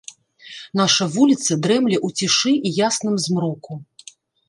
Наша вуліца дрэмле ў цішы і ясным змроку.